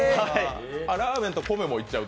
ラーメンと米もいっちゃう？